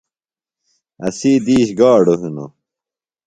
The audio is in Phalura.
اسی دِیش گاڈُوۡ ہِنوۡ۔